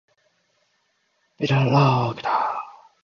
セルビアの首都はベオグラードである